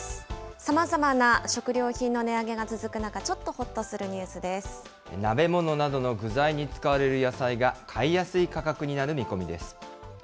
さまざまな食料品の値上げが続く中、ちょっとほっとするニュース鍋物などの具材に使われる野菜が買いやすい価格になる見込みです。